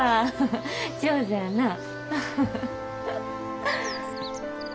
上手やなぁ。